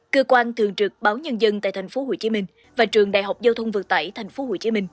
cơ quan thường trực báo nhân dân tại tp hcm và trường đại học giao thông vận tải tp hcm